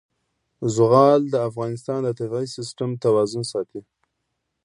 زغال د افغانستان د طبعي سیسټم توازن ساتي.